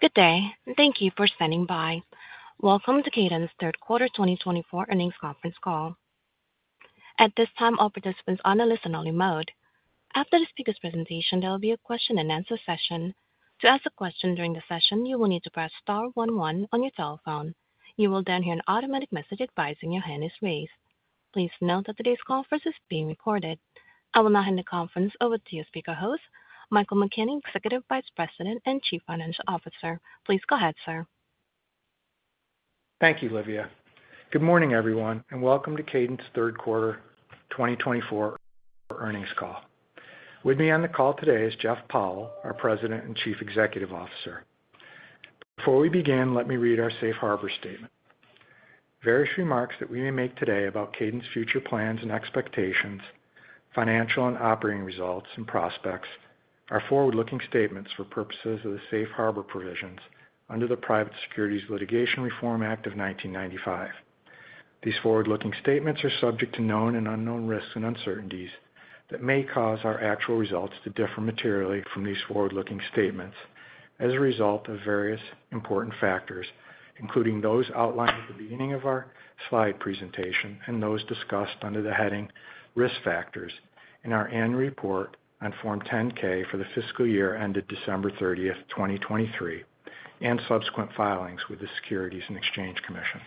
Good day, and thank you for standing by. Welcome to Kadant's third quarter 2024 earnings conference call. At this time, all participants are on a listen-only mode. After the speaker's presentation, there will be a question-and-answer session. To ask a question during the session, you will need to press star one one on your telephone. You will then hear an automatic message advising your hand is raised. Please note that today's conference is being recorded. I will now hand the conference over to your speaker host, Michael McKenney, Executive Vice President and Chief Financial Officer. Please go ahead, sir. Thank you, Livia. Good morning, everyone, and welcome to Kadant's third quarter 2024 earnings call. With me on the call today is Jeff Powell, our President and Chief Executive Officer. Before we begin, let me read our Safe Harbor Statement. Various remarks that we may make today about Kadant's future plans and expectations, financial and operating results, and prospects are forward-looking statements for purposes of the Safe Harbor Provisions under the Private Securities Litigation Reform Act of 1995. These forward-looking statements are subject to known and unknown risks and uncertainties that may cause our actual results to differ materially from these forward-looking statements as a result of various important factors, including those outlined at the beginning of our slide presentation and those discussed under the heading Risk Factors in our annual report on Form 10-K for the fiscal year ended December 30th, 2023, and subsequent filings with the Securities and Exchange Commission.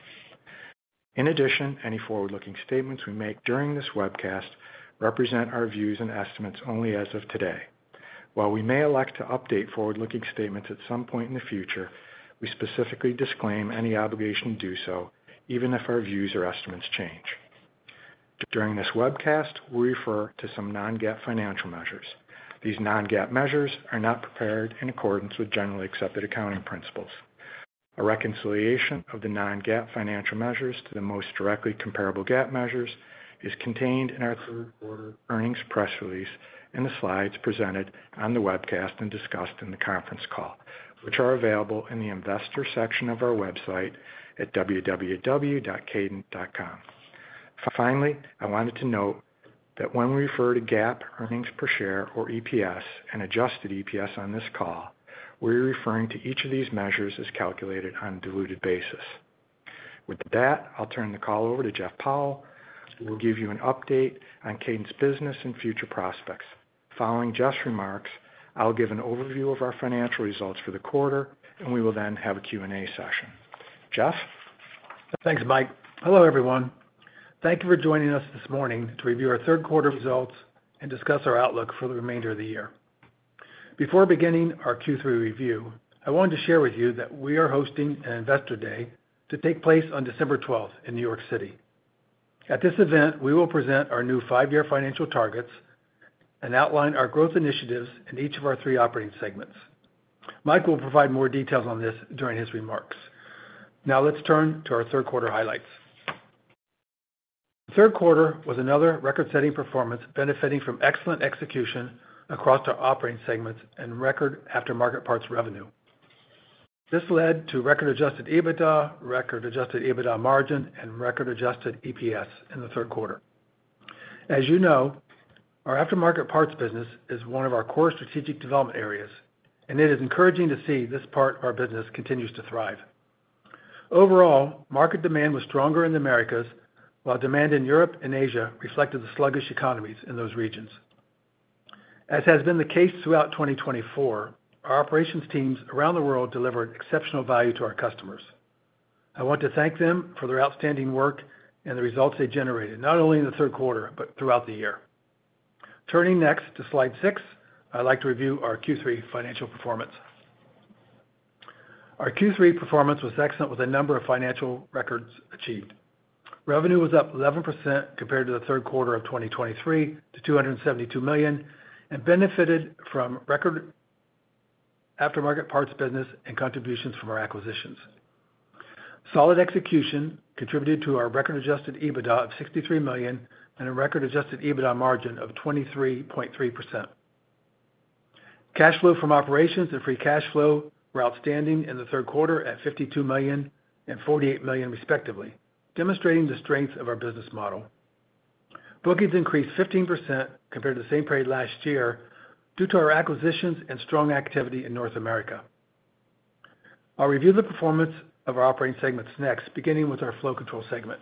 In addition, any forward-looking statements we make during this webcast represent our views and estimates only as of today. While we may elect to update forward-looking statements at some point in the future, we specifically disclaim any obligation to do so, even if our views or estimates change. During this webcast, we'll refer to some non-GAAP financial measures. These non-GAAP measures are not prepared in accordance with generally accepted accounting principles. A reconciliation of the non-GAAP financial measures to the most directly comparable GAAP measures is contained in our Third Quarter Earnings Press Release and the slides presented on the webcast and discussed in the conference call, which are available in the investor section of our website at www.kadant.com. Finally, I wanted to note that when we refer to GAAP Earnings Per Share, or EPS, and adjusted EPS on this call, we're referring to each of these measures as calculated on a diluted basis. With that, I'll turn the call over to Jeff Powell, who will give you an update on Kadant's business and future prospects. Following Jeff's remarks, I'll give an overview of our financial results for the quarter, and we will then have a Q&A session. Jeff? Thanks, Mike. Hello, everyone. Thank you for joining us this morning to review our third quarter results and discuss our outlook for the remainder of the year. Before beginning our Q3 review, I wanted to share with you that we are hosting an Investor Day to take place on December 12th in New York City. At this event, we will present our new five-year financial targets and outline our growth initiatives in each of our three operating segments. Mike will provide more details on this during his remarks. Now, let's turn to our third quarter highlights. The third quarter was another record-setting performance benefiting from excellent execution across our operating segments and record aftermarket parts revenue. This led to record adjusted EBITDA, record adjusted EBITDA margin, and record adjusted EPS in the third quarter. As you know, our aftermarket parts business is one of our core strategic development areas, and it is encouraging to see this part of our business continues to thrive. Overall, market demand was stronger in the Americas, while demand in Europe and Asia reflected the sluggish economies in those regions. As has been the case throughout 2024, our operations teams around the world delivered exceptional value to our customers. I want to thank them for their outstanding work and the results they generated, not only in the third quarter but throughout the year. Turning next to slide six, I'd like to review our Q3 financial performance. Our Q3 performance was excellent, with a number of financial records achieved. Revenue was up 11% compared to the third quarter of 2023 to $272 million and benefited from record aftermarket parts business and contributions from our acquisitions. Solid execution contributed to our record Adjusted EBITDA of $63 million and a record Adjusted EBITDA margin of 23.3%. Cash flow from operations and free cash flow were outstanding in the third quarter at $52 million and $48 million, respectively, demonstrating the strength of our business model. Bookings increased 15% compared to the same period last year due to our acquisitions and strong activity in North America. I'll review the performance of our operating segments next, beginning with our Flow Control segment.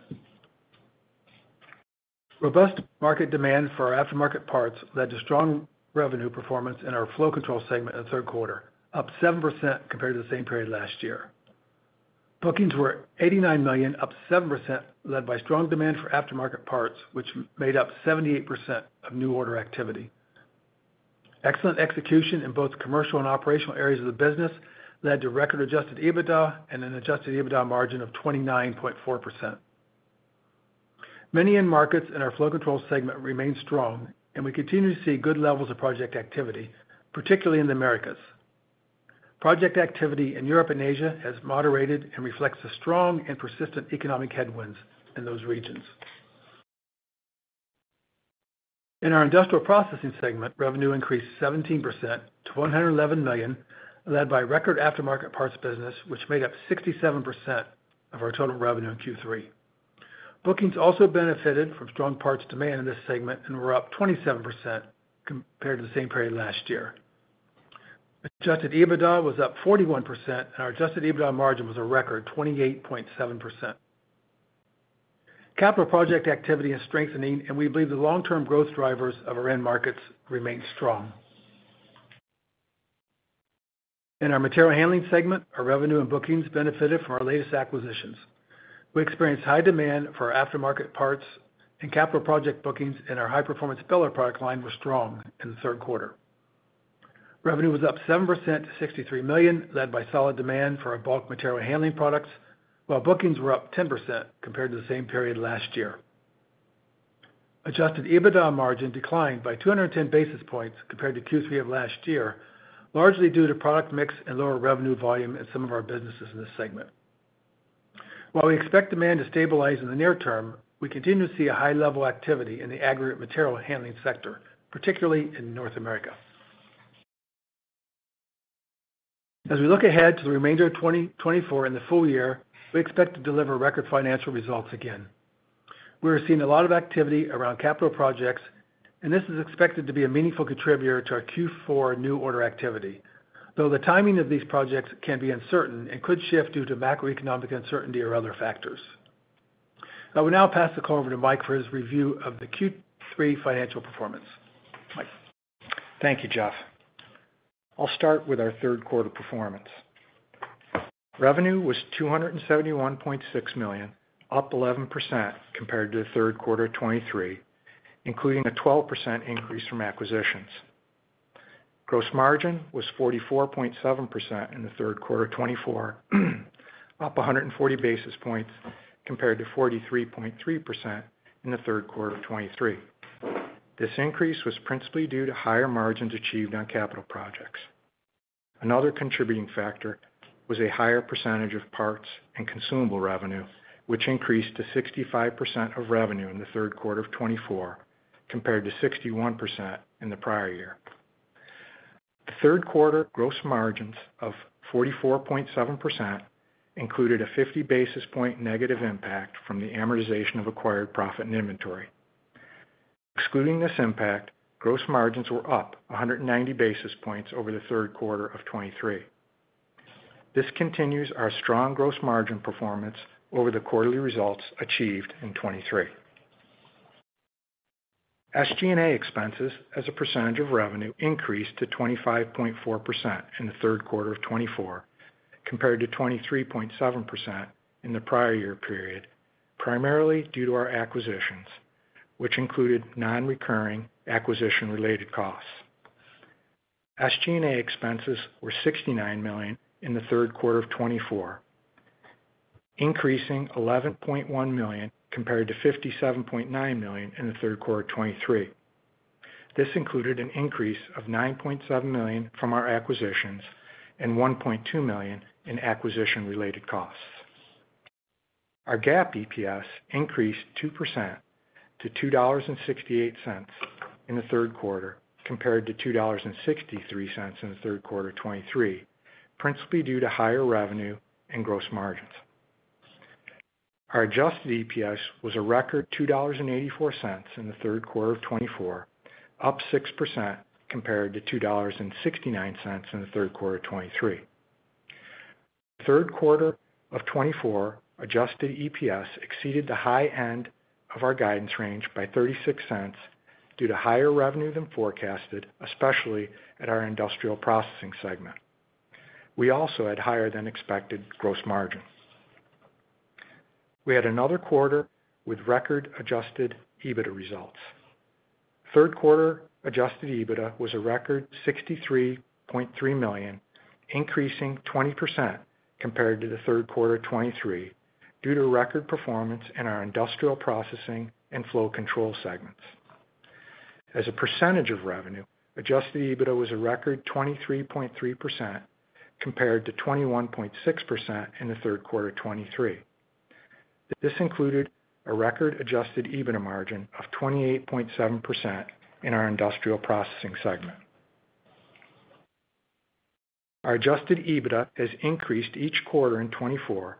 Robust market demand for our aftermarket parts led to strong revenue performance in our Flow Control segment in the third quarter, up 7% compared to the same period last year. Bookings were $89 million, up 7%, led by strong demand for aftermarket parts, which made up 78% of new order activity. Excellent execution in both commercial and operational areas of the business led to record adjusted EBITDA and an adjusted EBITDA margin of 29.4%. Many end markets in our Flow Control segment remained strong, and we continue to see good levels of project activity, particularly in the Americas. Project activity in Europe and Asia has moderated and reflects the strong and persistent economic headwinds in those regions. In our Industrial Processing segment, revenue increased 17% to $111 million, led by record aftermarket parts business, which made up 67% of our total revenue in Q3. Bookings also benefited from strong parts demand in this segment and were up 27% compared to the same period last year. Adjusted EBITDA was up 41%, and our adjusted EBITDA margin was a record 28.7%. Capital project activity is strengthening, and we believe the long-term growth drivers of our end markets remain strong. In our Material Handling segment, our revenue and bookings benefited from our latest acquisitions. We experienced high demand for our aftermarket parts, and capital project bookings in our high-performance baler product line were strong in the third quarter. Revenue was up 7% to $63 million, led by solid demand for our bulk material handling products, while bookings were up 10% compared to the same period last year. Adjusted EBITDA margin declined by 210 basis points compared to Q3 of last year, largely due to product mix and lower revenue volume in some of our businesses in this segment. While we expect demand to stabilize in the near term, we continue to see high-level activity in the aggregate material handling sector, particularly in North America. As we look ahead to the remainder of 2024 and the full year, we expect to deliver record financial results again. We are seeing a lot of activity around capital projects, and this is expected to be a meaningful contributor to our Q4 new order activity, though the timing of these projects can be uncertain and could shift due to macroeconomic uncertainty or other factors. I will now pass the call over to Mike for his review of the Q3 financial performance. Mike. Thank you, Jeff. I'll start with our third quarter performance. Revenue was $271.6 million, up 11% compared to the third quarter of 2023, including a 12% increase from acquisitions. Gross margin was 44.7% in the third quarter of 2024, up 140 basis points compared to 43.3% in the third quarter of 2023. This increase was principally due to higher margins achieved on capital projects. Another contributing factor was a higher percentage of parts and consumable revenue, which increased to 65% of revenue in the third quarter of 2024 compared to 61% in the prior year. The third quarter gross margins of 44.7% included a 50 basis point negative impact from the amortization of acquired profit and inventory. Excluding this impact, gross margins were up 190 basis points over the third quarter of 2023. This continues our strong gross margin performance over the quarterly results achieved in 2023. SG&A expenses, as a percentage of revenue, increased to 25.4% in the third quarter of 2024 compared to 23.7% in the prior year period, primarily due to our acquisitions, which included non-recurring acquisition-related costs. SG&A expenses were $69 million in the third quarter of 2024, increasing $11.1 million compared to $57.9 million in the third quarter of 2023. This included an increase of $9.7 million from our acquisitions and $1.2 million in acquisition-related costs. Our GAAP EPS increased 2% to $2.68 in the third quarter compared to $2.63 in the third quarter of 2023, principally due to higher revenue and gross margins. Our adjusted EPS was a record $2.84 in the third quarter of 2024, up 6% compared to $2.69 in the third quarter of 2023. The third quarter of 2024 adjusted EPS exceeded the high end of our guidance range by $0.36 due to higher revenue than forecasted, especially at our industrial processing segment. We also had higher-than-expected gross margins. We had another quarter with record adjusted EBITDA results. Third quarter adjusted EBITDA was a record $63.3 million, increasing 20% compared to the third quarter of 2023 due to record performance in our industrial processing and flow control segments. As a percentage of revenue, adjusted EBITDA was a record 23.3% compared to 21.6% in the third quarter of 2023. This included a record adjusted EBITDA margin of 28.7% in our industrial processing segment. Our adjusted EBITDA has increased each quarter in 2024,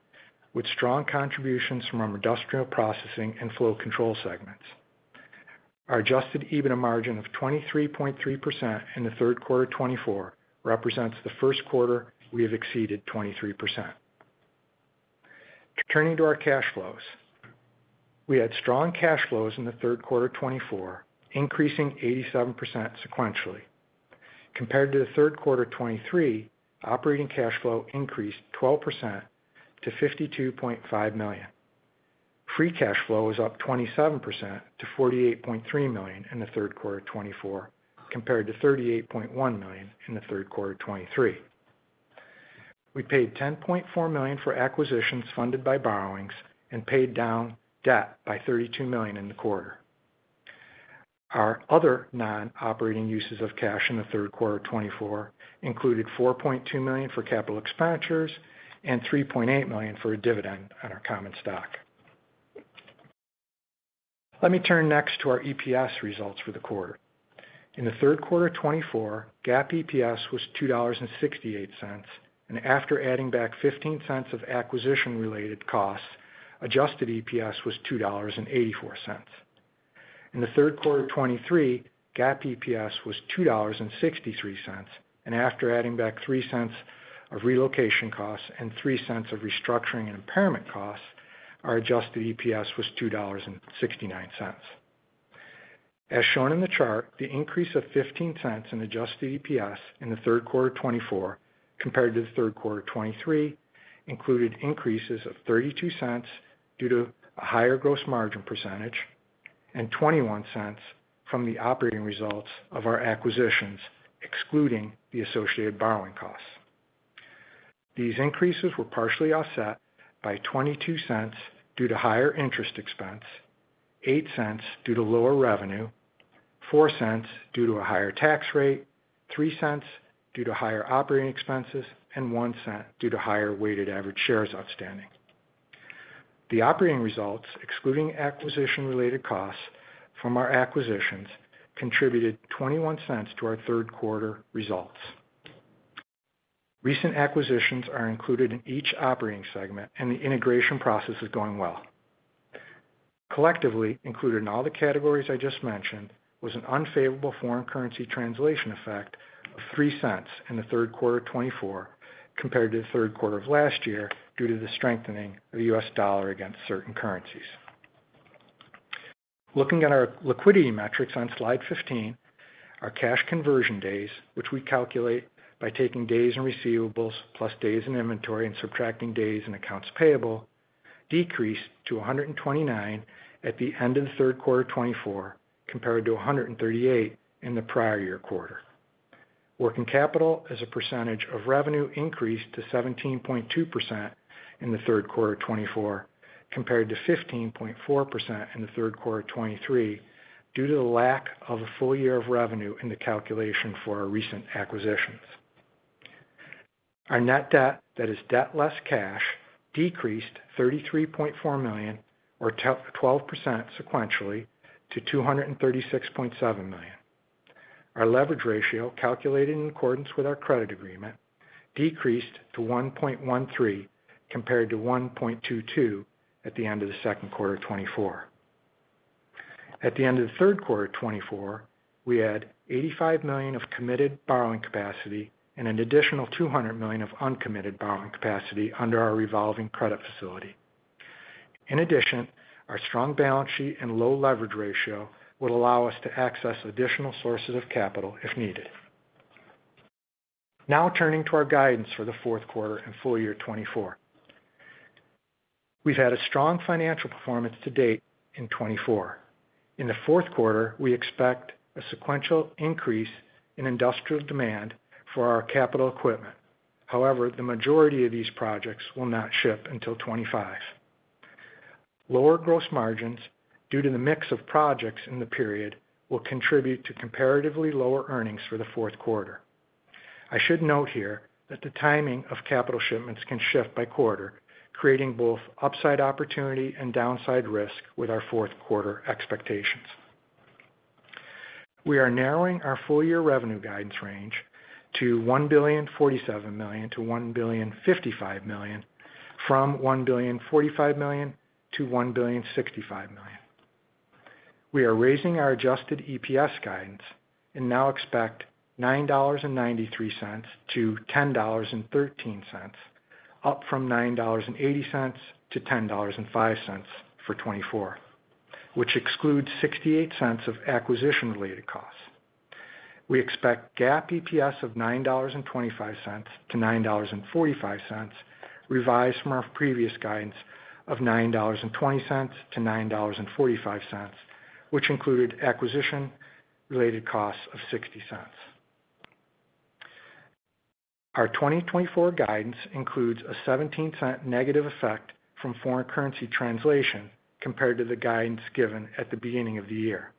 with strong contributions from our industrial processing and flow control segments. Our adjusted EBITDA margin of 23.3% in the third quarter of 2024 represents the first quarter we have exceeded 23%. Turning to our cash flows, we had strong cash flows in the third quarter of 2024, increasing 87% sequentially. Compared to the third quarter of 2023, operating cash flow increased 12% to $52.5 million. Free cash flow was up 27% to $48.3 million in the third quarter of 2024 compared to $38.1 million in the third quarter of 2023. We paid $10.4 million for acquisitions funded by borrowings and paid down debt by $32 million in the quarter. Our other non-operating uses of cash in the third quarter of 2024 included $4.2 million for capital expenditures and $3.8 million for a dividend on our common stock. Let me turn next to our EPS results for the quarter. In the third quarter of 2024, GAAP EPS was $2.68, and after adding back $0.15 of acquisition-related costs, adjusted EPS was $2.84. In the third quarter of 2023, GAAP EPS was $2.63, and after adding back $0.03 of relocation costs and $0.03 of restructuring and impairment costs, our adjusted EPS was $2.69. As shown in the chart, the increase of $0.15 in adjusted EPS in the third quarter of 2024 compared to the third quarter of 2023 included increases of $0.32 due to a higher gross margin percentage and $0.21 from the operating results of our acquisitions, excluding the associated borrowing costs. These increases were partially offset by $0.22 due to higher interest expense, $0.08 due to lower revenue, $0.04 due to a higher tax rate, $0.03 due to higher operating expenses, and $0.01 due to higher weighted average shares outstanding. The operating results, excluding acquisition-related costs from our acquisitions, contributed $0.21 to our third quarter results. Recent acquisitions are included in each operating segment, and the integration process is going well. Collectively, included in all the categories I just mentioned, was an unfavorable foreign currency translation effect of $0.03 in the third quarter of 2024 compared to the third quarter of last year due to the strengthening of the U.S. dollar against certain currencies. Looking at our liquidity metrics on slide 15, our cash conversion days, which we calculate by taking days in receivables plus days in inventory and subtracting days in accounts payable, decreased to 129 at the end of the third quarter of 2024 compared to 138 in the prior year quarter. Working capital as a percentage of revenue increased to 17.2% in the third quarter of 2024 compared to 15.4% in the third quarter of 2023 due to the lack of a full year of revenue in the calculation for our recent acquisitions. Our net debt, that is debt less cash, decreased $33.4 million, or 12% sequentially, to $236.7 million. Our leverage ratio, calculated in accordance with our credit agreement, decreased to 1.13 compared to 1.22 at the end of the second quarter of 2024. At the end of the third quarter of 2024, we had $85 million of committed borrowing capacity and an additional $200 million of uncommitted borrowing capacity under our revolving credit facility. In addition, our strong balance sheet and low leverage ratio would allow us to access additional sources of capital if needed. Now turning to our guidance for the fourth quarter and full year 2024, we've had a strong financial performance to date in 2024. In the fourth quarter, we expect a sequential increase in industrial demand for our capital equipment. However, the majority of these projects will not ship until 2025. Lower gross margins due to the mix of projects in the period will contribute to comparatively lower earnings for the fourth quarter. I should note here that the timing of capital shipments can shift by quarter, creating both upside opportunity and downside risk with our fourth quarter expectations. We are narrowing our full year revenue guidance range to $1.047 billion-$1.055 billion, from $1.045 billion-$1.065 billion. We are raising our adjusted EPS guidance and now expect $9.93-$10.13, up from $9.80-$10.05 for 2024, which excludes $0.68 of acquisition-related costs. We expect GAAP EPS of $9.25-$9.45, revised from our previous guidance of $9.20-$9.45, which included acquisition-related costs of $0.60. Our 2024 guidance includes a $0.17 negative effect from foreign currency translation compared to the guidance given at the beginning of the year.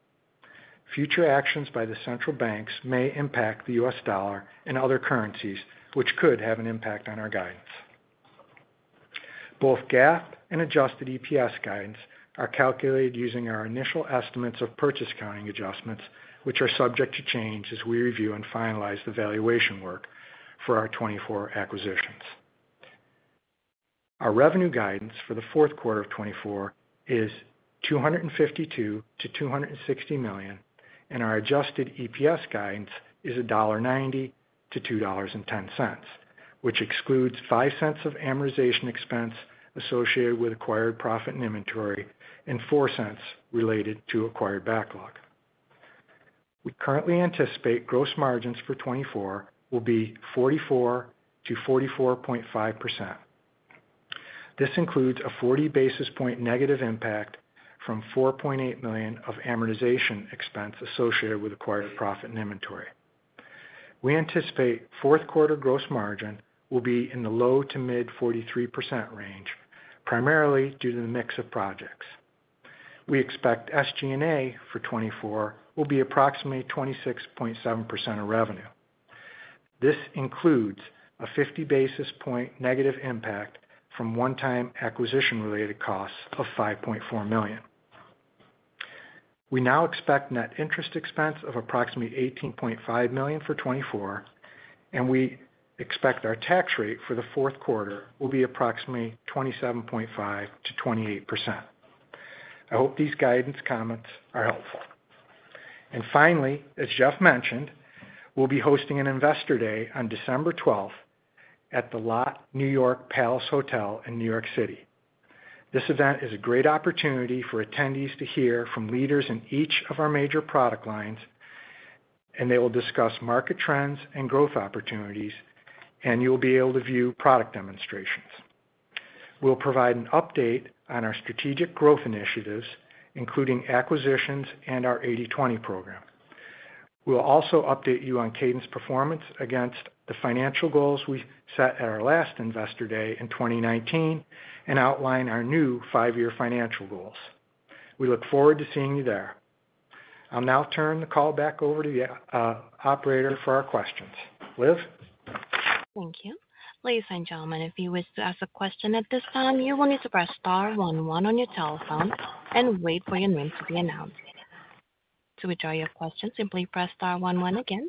Future actions by the central banks may impact the U.S. dollar and other currencies, which could have an impact on our guidance. Both GAAP and adjusted EPS guidance are calculated using our initial estimates of purchase accounting adjustments, which are subject to change as we review and finalize the valuation work for our 2024 acquisitions. Our revenue guidance for the fourth quarter of 2024 is $252 million-$260 million, and our adjusted EPS guidance is $1.90-$2.10, which excludes $0.05 of amortization expense associated with acquired profit and inventory and $0.04 related to acquired backlog. We currently anticipate gross margins for 2024 will be 44%-44.5%. This includes a 40 basis point negative impact from $4.8 million of amortization expense associated with acquired profit and inventory. We anticipate fourth quarter gross margin will be in the low to mid 43% range, primarily due to the mix of projects. We expect SG&A for 2024 will be approximately 26.7% of revenue. This includes a 50 basis point negative impact from one-time acquisition-related costs of $5.4 million. We now expect net interest expense of approximately $18.5 million for 2024, and we expect our tax rate for the fourth quarter will be approximately 27.5%-28%. I hope these guidance comments are helpful. And finally, as Jeff mentioned, we'll be hosting an Investor Day on December 12th at the Lotte New York Palace Hotel in New York City. This event is a great opportunity for attendees to hear from leaders in each of our major product lines, and they will discuss market trends and growth opportunities, and you will be able to view product demonstrations. We'll provide an update on our strategic growth initiatives, including acquisitions and our 80/20 program. We'll also update you on Kadant's performance against the financial goals we set at our last Investor Day in 2019 and outline our new five-year financial goals. We look forward to seeing you there. I'll now turn the call back over to the operator for our questions. Livia? Thank you. Ladies and gentlemen, if you wish to ask a question at this time, you will need to press star one one on your telephone and wait for your name to be announced. To withdraw your question, simply press star one one again.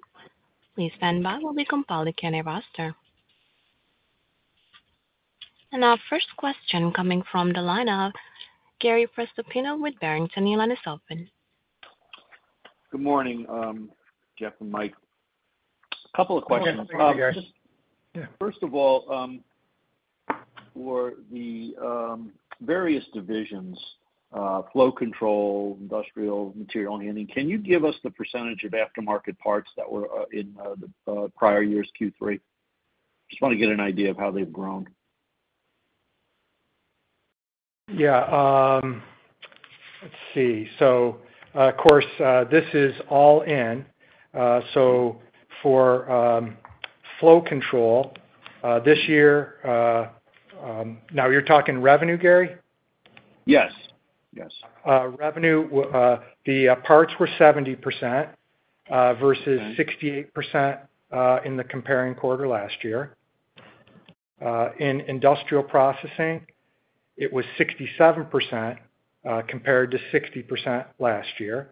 Please stand by while we compile the candidate roster. Our first question coming from the line of Gary Prestopino with Barrington Research. Good morning, Jeff and Mike. A couple of questions. Yeah. First of all, for the various divisions, flow control, industrial, material handling, can you give us the percentage of aftermarket parts that were in the prior year's Q3? Just want to get an idea of how they've grown. Yeah. Let's see. So of course, this is all in. So for flow control, this year now you're talking revenue, Gary? Yes. Yes. Revenue, the parts were 70% versus 68% in the comparable quarter last year. In Industrial Processing, it was 67% compared to 60% last year.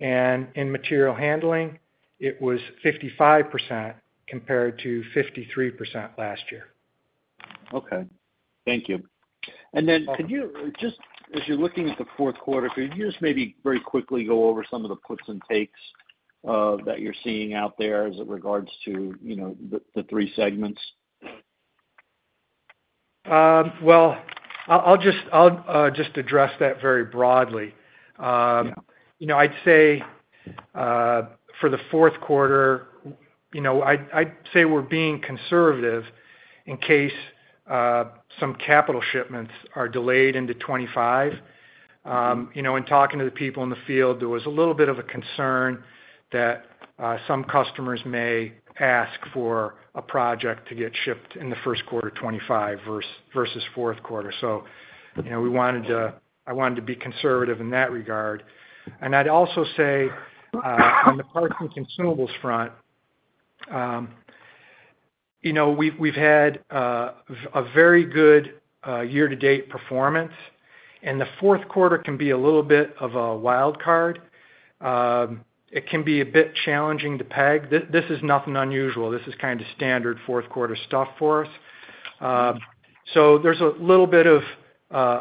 And in Material Handling, it was 55% compared to 53% last year. Okay. Thank you. And then could you just, as you're looking at the fourth quarter, could you just maybe very quickly go over some of the puts and takes that you're seeing out there as it regards to the three segments? Well, I'll just address that very broadly. I'd say for the fourth quarter, I'd say we're being conservative in case some capital shipments are delayed into 2025. In talking to the people in the field, there was a little bit of a concern that some customers may ask for a project to get shipped in the first quarter 2025 versus fourth quarter. So I wanted to be conservative in that regard. And I'd also say on the parts and consumables front, we've had a very good year-to-date performance, and the fourth quarter can be a little bit of a wild card. It can be a bit challenging to peg. This is nothing unusual. This is kind of standard fourth quarter stuff for us. So there's a little bit of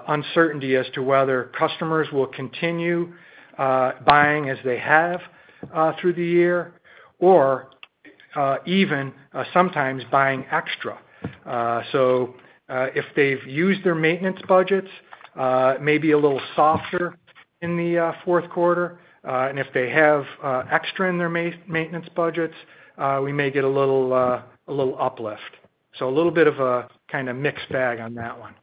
uncertainty as to whether customers will continue buying as they have through the year or even sometimes buying extra. So if they've used their maintenance budgets, maybe a little softer in the fourth quarter. And if they have extra in their maintenance budgets, we may get a little uplift. So a little bit of a kind of mixed bag on that one.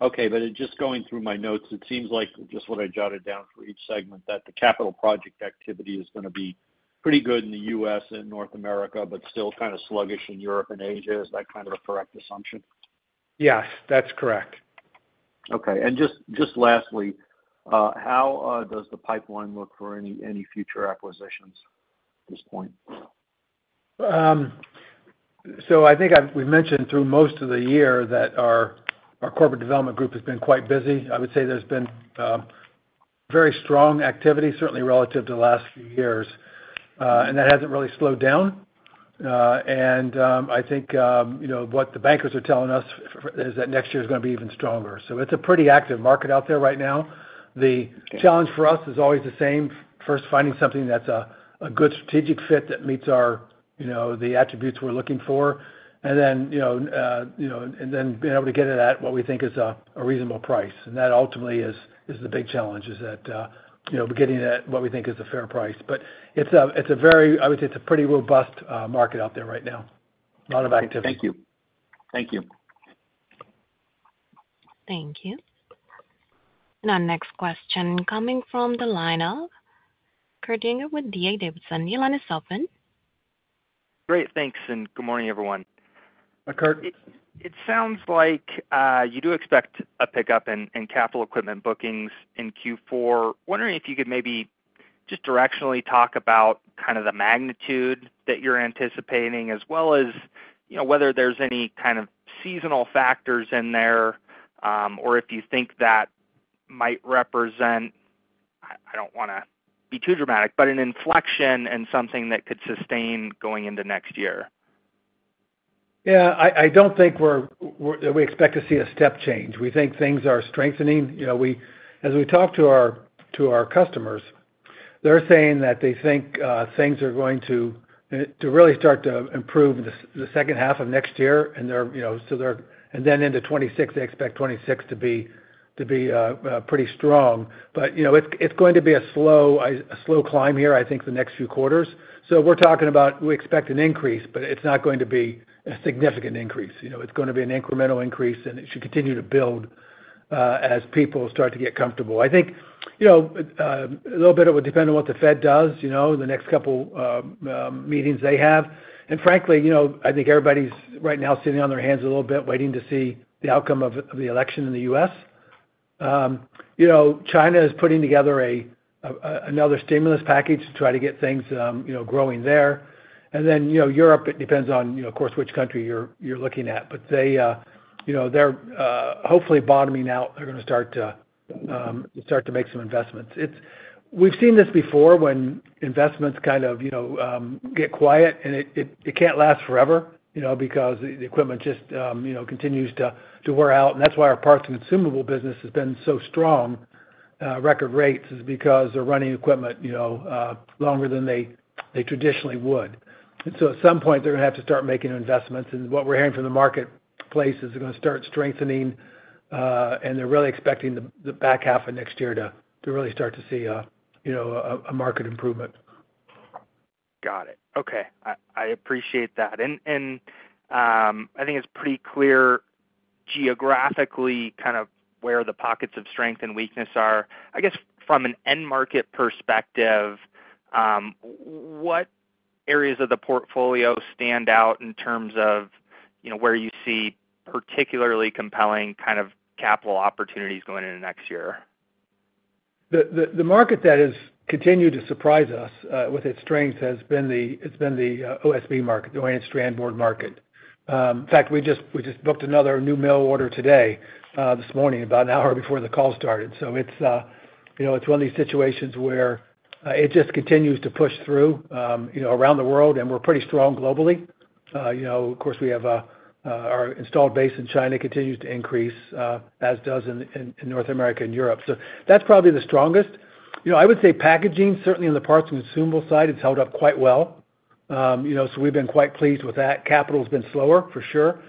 Okay. But just going through my notes, it seems like just what I jotted down for each segment, that the capital project activity is going to be pretty good in the U.S. and North America, but still kind of sluggish in Europe and Asia. Is that kind of a correct assumption? Yes. That's correct. Okay. And just lastly, how does the pipeline look for any future acquisitions at this point? So I think we've mentioned through most of the year that our corporate development group has been quite busy. I would say there's been very strong activity, certainly relative to the last few years, and that hasn't really slowed down. And I think what the bankers are telling us is that next year is going to be even stronger. So it's a pretty active market out there right now. The challenge for us is always the same: first, finding something that's a good strategic fit that meets the attributes we're looking for, and then being able to get it at what we think is a reasonable price, and that ultimately is the big challenge, that we're getting it at what we think is a fair price. But it's a very, I would say, pretty robust market out there right now. A lot of activity. Thank you. And our next question coming from the line of Kurt Yinger with D.A. Davidson. Your line is open. Great. Thanks. And good morning, everyone. It sounds like you do expect a pickup in capital equipment bookings in Q4. Wondering if you could maybe just directionally talk about kind of the magnitude that you're anticipating, as well as whether there's any kind of seasonal factors in there, or if you think that might represent - I don't want to be too dramatic - but an inflection and something that could sustain going into next year. Yeah. I don't think we expect to see a step change. We think things are strengthening. As we talk to our customers, they're saying that they think things are going to really start to improve the second half of next year. And then into 2026, they expect 2026 to be pretty strong. But it's going to be a slow climb here, I think, the next few quarters. So we're talking about we expect an increase, but it's not going to be a significant increase. It's going to be an incremental increase, and it should continue to build as people start to get comfortable. I think a little bit of it will depend on what the Fed does, the next couple of meetings they have, and frankly, I think everybody's right now sitting on their hands a little bit, waiting to see the outcome of the election in the U.S. China is putting together another stimulus package to try to get things growing there, and then Europe, it depends on, of course, which country you're looking at. But they're hopefully bottoming out. They're going to start to make some investments. We've seen this before when investments kind of get quiet, and it can't last forever because the equipment just continues to wear out. And that's why our parts and consumable business has been so strong at record rates, is because they're running equipment longer than they traditionally would. And so at some point, they're going to have to start making investments. And what we're hearing from the marketplace is they're going to start strengthening, and they're really expecting the back half of next year to really start to see a market improvement. Got it. Okay. I appreciate that. And I think it's pretty clear geographically kind of where the pockets of strength and weakness are. I guess from an end market perspective, what areas of the portfolio stand out in terms of where you see particularly compelling kind of capital opportunities going into next year? The market that has continued to surprise us with its strength has been the OSB market, the oriented strand board market. In fact, we just booked another new mill order today this morning, about an hour before the call started. So it's one of these situations where it just continues to push through around the world, and we're pretty strong globally. Of course, our installed base in China continues to increase, as does in North America and Europe. So that's probably the strongest. I would say packaging, certainly on the parts and consumable side, has held up quite well. So we've been quite pleased with that. Capital has been slower, for sure.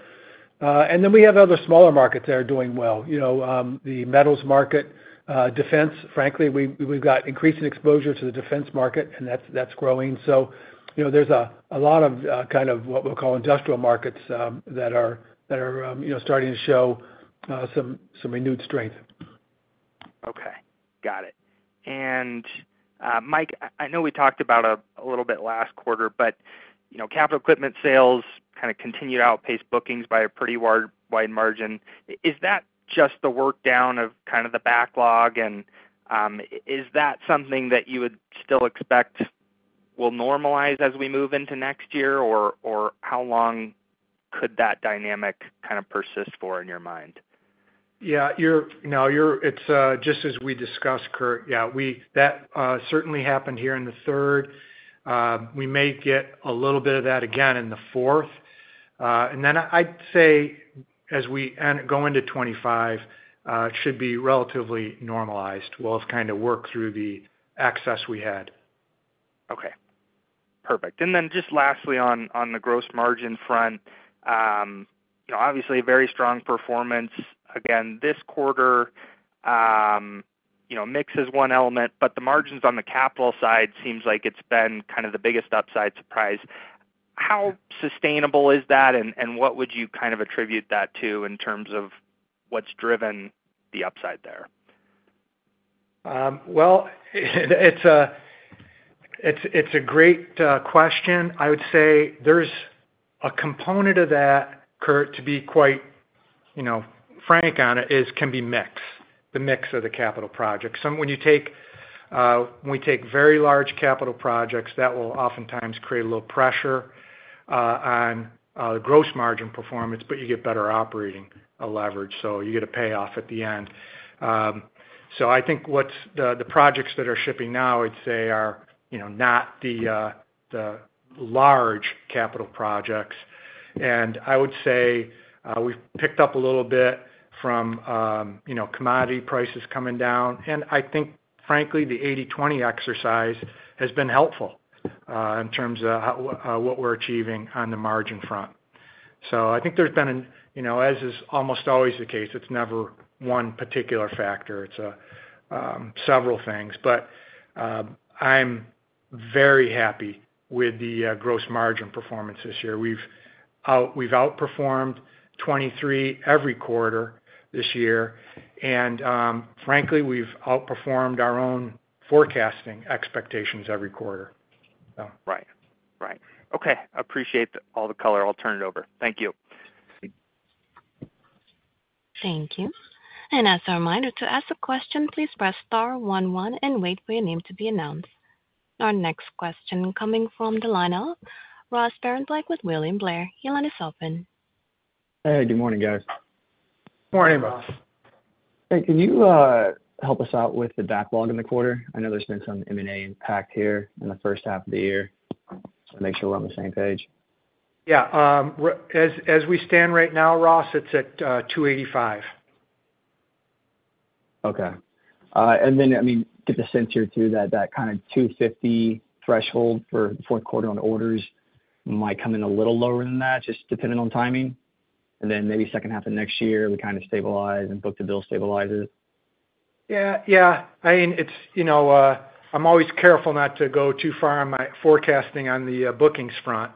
And then we have other smaller markets that are doing well. The metals market, defense, frankly, we've got increasing exposure to the defense market, and that's growing. So there's a lot of kind of what we'll call industrial markets that are starting to show some renewed strength. Okay. Got it. And Mike, I know we talked about it a little bit last quarter, but capital equipment sales kind of continued to outpace bookings by a pretty wide margin. Is that just the workdown of kind of the backlog? And is that something that you would still expect will normalize as we move into next year, or how long could that dynamic kind of persist for in your mind? Yeah. It's just as we discussed, Kurt. Yeah. That certainly happened here in the third. We may get a little bit of that again in the fourth. And then I'd say as we go into 2025, it should be relatively normalized. We'll have kind of worked through the excess we had. Okay. Perfect. And then just lastly, on the gross margin front, obviously, very strong performance. Again, this quarter mix is one element, but the margins on the capital side seems like it's been kind of the biggest upside surprise. How sustainable is that, and what would you kind of attribute that to in terms of what's driven the upside there? It's a great question. I would say there's a component of that, Kurt, to be quite frank on it, is can be mixed, the mix of the capital projects. When we take very large capital projects, that will oftentimes create a little pressure on the gross margin performance, but you get better operating leverage. You get a payoff at the end. I think the projects that are shipping now, I'd say, are not the large capital projects. I would say we've picked up a little bit from commodity prices coming down. And I think, frankly, the 80/20 exercise has been helpful in terms of what we're achieving on the margin front. So I think there's been an—as is almost always the case, it's never one particular factor. It's several things. But I'm very happy with the gross margin performance this year. We've outperformed 2023 every quarter this year. And frankly, we've outperformed our own forecasting expectations every quarter. Right. Right. Okay. Appreciate all the color. I'll turn it over. Thank you. Thank you. And as a reminder, to ask a question, please press star one one and wait for your name to be announced. Our next question coming from the line of Ross Sparenblek with William Blair. Your line is open. Hey. Good morning, guys. Morning, Ross. Hey. Can you help us out with the backlog in the quarter? I know there's been some M&A impact here in the first half of the year. Make sure we're on the same page. Yeah. As we stand right now, Ross, it's at 285. Okay. And then, I mean, get the sense here too that that kind of 250 threshold for the fourth quarter on orders might come in a little lower than that, just depending on timing. And then maybe second half of next year, we kind of stabilize and book-to-bill stabilize it. Yeah. Yeah. I mean, I'm always careful not to go too far on my forecasting on the bookings front,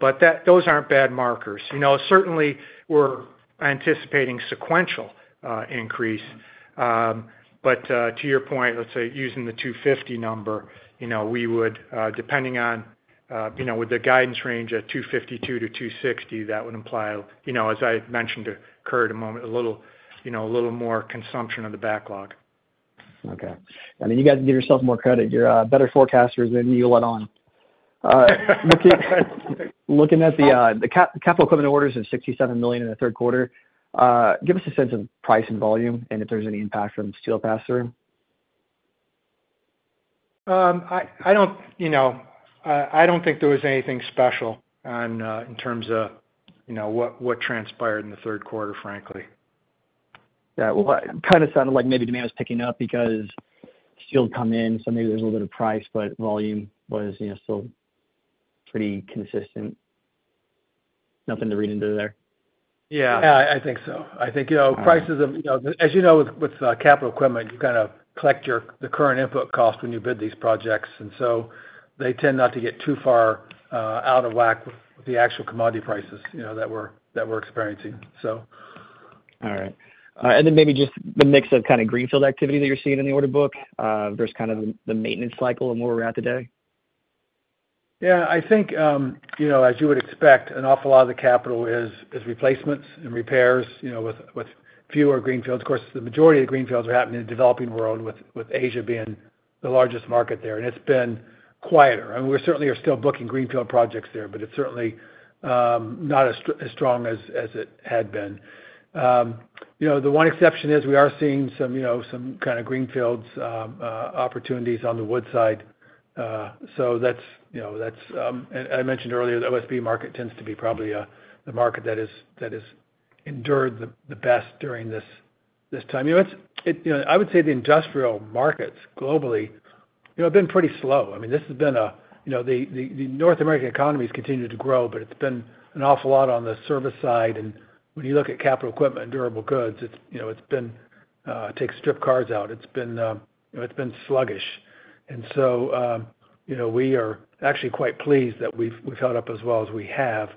but those aren't bad markers. Certainly, we're anticipating sequential increase. But to your point, let's say using the 250 number, we would, depending on with the guidance range at 252-260, that would imply, as I mentioned to Kurt a moment, a little more consumption of the backlog. Okay. I mean, you guys can give yourselves more credit. You're better forecasters than you let on. Looking at the capital equipment orders of $67 million in the third quarter, give us a sense of price and volume and if there's any impact from steel pass-through. I don't think there was anything special in terms of what transpired in the third quarter, frankly. Yeah. Well, it kind of sounded like maybe demand was picking up because steel's come in, so maybe there's a little bit of price, but volume was still pretty consistent. Nothing to read into there. Yeah. Yeah. I think so. I think prices of, as you know, with capital equipment, you kind of collect the current input cost when you bid these projects. And so they tend not to get too far out of whack with the actual commodity prices that we're experiencing, so. All right. And then maybe just the mix of kind of greenfield activity that you're seeing in the order book versus kind of the maintenance cycle and where we're at today. Yeah. I think, as you would expect, an awful lot of the capital is replacements and repairs with fewer greenfields. Of course, the majority of the greenfields are happening in the developing world with Asia being the largest market there. And it's been quieter. I mean, we certainly are still booking greenfield projects there, but it's certainly not as strong as it had been. The one exception is we are seeing some kind of greenfield opportunities on the wood side. So that's, and I mentioned earlier, the OSB market tends to be probably the market that has endured the best during this time. I would say the industrial markets globally have been pretty slow. I mean, this has been the North American economy has continued to grow, but it's been an awful lot on the service side. And when you look at capital equipment and durable goods, it's been sluggish. And so we are actually quite pleased that we've held up as well as we have.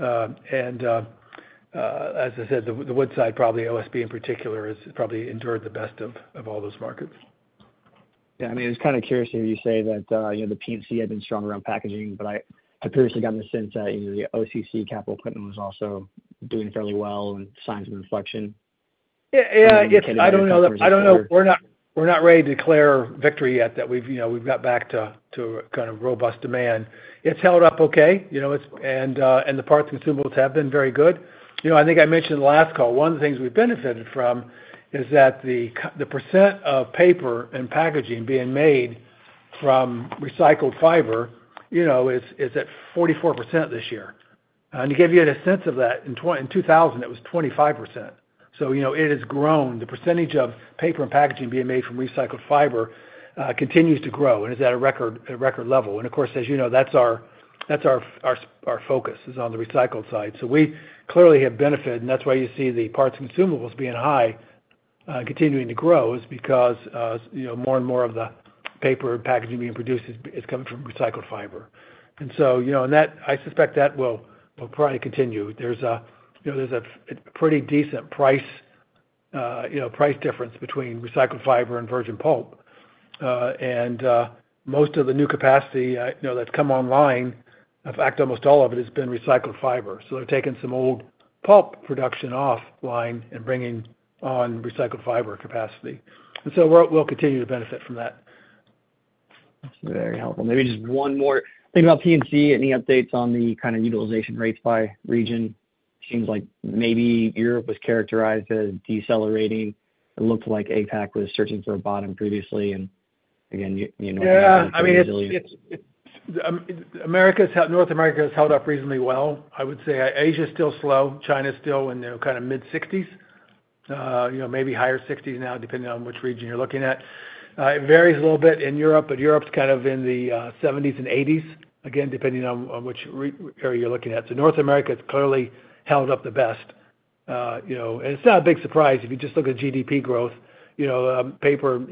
And as I said, the wood side, probably OSB in particular, has probably endured the best of all those markets. Yeah. I mean, it's kind of curious to hear you say that the P&C had been strong around packaging, but I've previously gotten the sense that the OCC capital equipment was also doing fairly well and signs of inflection. Yeah. Yeah. I don't know that we're not ready to declare victory yet, that we've got back to kind of robust demand. It's held up okay. And the parts and consumables have been very good. I think I mentioned in the last call, one of the things we've benefited from is that the percent of paper and packaging being made from recycled fiber is at 44% this year. And to give you a sense of that, in 2000, it was 25%. So it has grown. The percentage of paper and packaging being made from recycled fiber continues to grow and is at a record level. And of course, as you know, that's our focus is on the recycled side. So we clearly have benefited. And that's why you see the parts and consumables being high and continuing to grow is because more and more of the paper and packaging being produced is coming from recycled fiber. And so I suspect that will probably continue. There's a pretty decent price difference between recycled fiber and virgin pulp. And most of the new capacity that's come online, in fact, almost all of it has been recycled fiber. So they're taking some old pulp production offline and bringing on recycled fiber capacity. And so we'll continue to benefit from that. That's very helpful. Maybe just one more. Thinking about P&C, any updates on the kind of utilization rates by region? Seems like maybe Europe was characterized as decelerating. It looked like APAC was searching for a bottom previously. Again, you know. Yeah. I mean, North America has held up reasonably well. I would say Asia is still slow. China's still in kind of mid-60s, maybe higher 60s now, depending on which region you're looking at. It varies a little bit in Europe, but Europe's kind of in the 70s and 80s, again, depending on which area you're looking at. So North America has clearly held up the best. And it's not a big surprise if you just look at GDP growth. Paper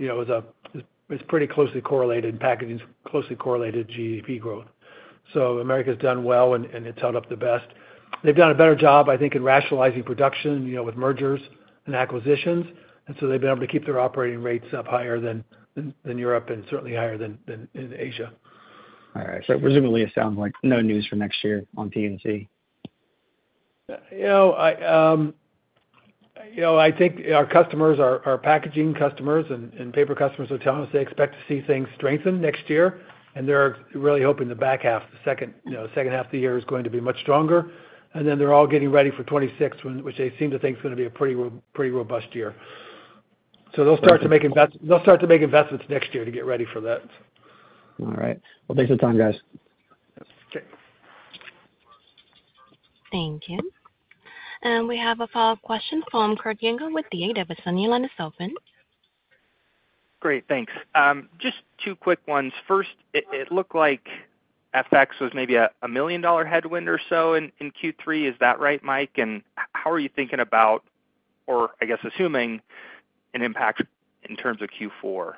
is pretty closely correlated, and packaging is closely correlated to GDP growth. So America has done well, and it's held up the best. They've done a better job, I think, in rationalizing production with mergers and acquisitions. And so they've been able to keep their operating rates up higher than Europe and certainly higher than in Asia. All right. So presumably, it sounds like no news for next year on P&C. I think our customers, our packaging customers and paper customers, are telling us they expect to see things strengthen next year. And they're really hoping the back half, the second half of the year, is going to be much stronger. And then they're all getting ready for 2026, which they seem to think is going to be a pretty robust year. So they'll start to make investments next year to get ready for that. All right. Well, thanks for the time, guys. Okay. Thank you. And we have a follow-up question from Kurt Yinger with D.A. Davidson. Great. Thanks. Just two quick ones. First, it looked like FX was maybe a $1 million headwind or so in Q3. Is that right, Mike? And how are you thinking about, or I guess assuming, an impact in terms of Q4?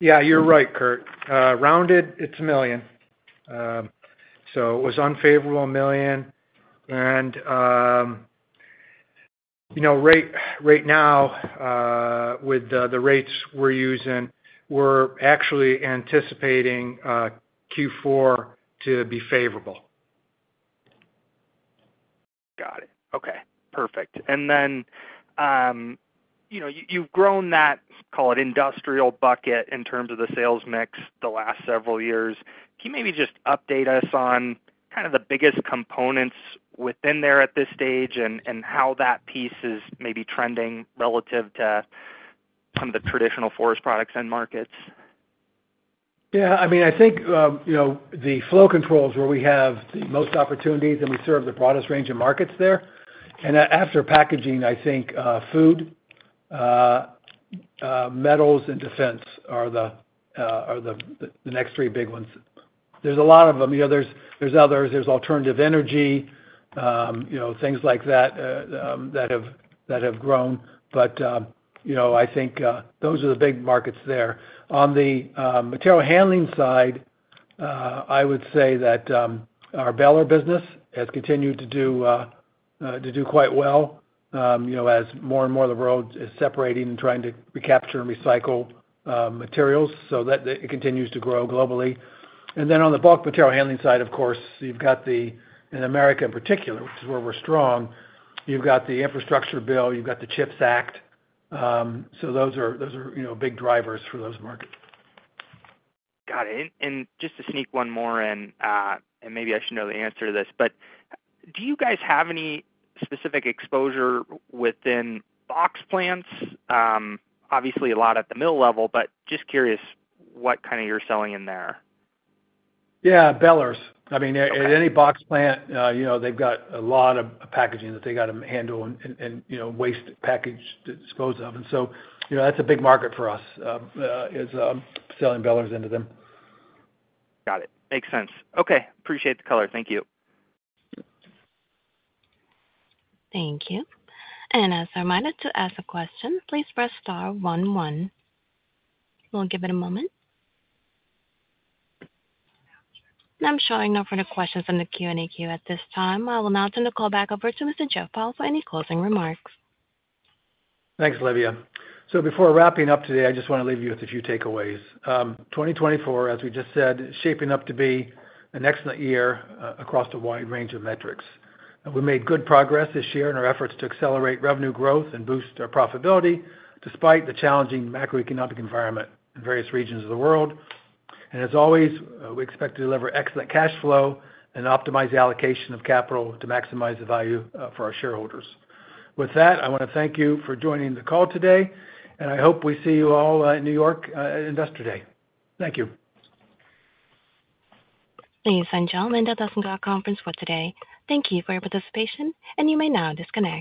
Yeah. You're right, Kurt. Rounded, it's $1 million. So it was unfavorable $1 million. And right now, with the rates we're using, we're actually anticipating Q4 to be favorable. Got it. Okay. Perfect. And then you've grown that, call it, industrial bucket in terms of the sales mix the last several years. Can you maybe just update us on kind of the biggest components within there at this stage and how that piece is maybe trending relative to some of the traditional forest products and markets? Yeah. I mean, I think the flow controls where we have the most opportunities, and we serve the broadest range of markets there. And after packaging, I think food, metals, and defense are the next three big ones. There's a lot of them. There's others. There's alternative energy, things like that that have grown. But I think those are the big markets there. On the material handling side, I would say that our baler business has continued to do quite well as more and more of the world is separating and trying to recapture and recycle materials. So it continues to grow globally. And then on the bulk material handling side, of course, you've got the, in America in particular, which is where we're strong, you've got the Infrastructure Bill, you've got the CHIPS Act. So those are big drivers for those markets. Got it. And just to sneak one more in, and maybe I should know the answer to this, but do you guys have any specific exposure within box plants? Obviously, a lot at the mill level, but just curious what kind of you're selling in there. Yeah. Balers. I mean, at any box plant, they've got a lot of packaging that they got to handle and waste package to dispose of. So that's a big market for us, is selling balers into them. Got it. Makes sense. Okay. Appreciate the color. Thank you. Thank you. As a reminder to ask a question, please press star one one. We'll give it a moment. I'm showing no further questions in the Q&A queue at this time. I will now turn the call back over to Mr. Jeff Powell for any closing remarks. Thanks, Livia. Before wrapping up today, I just want to leave you with a few takeaways. 2024, as we just said, is shaping up to be an excellent year across a wide range of metrics. We made good progress this year in our efforts to accelerate revenue growth and boost our profitability despite the challenging macroeconomic environment in various regions of the world. And as always, we expect to deliver excellent cash flow and optimize the allocation of capital to maximize the value for our shareholders. With that, I want to thank you for joining the call today. And I hope we see you all in New York at Investor Day. Thank you. This concludes today's conference. Thank you for your participation, and you may now disconnect.